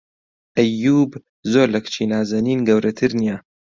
ئەییووب زۆر لە کچی نازەنین گەورەتر نییە.